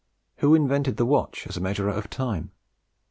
Who invented the watch as a measurer of time?